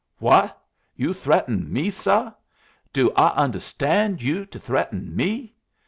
"What? You threaten me, suh? Do I understand you to threaten me?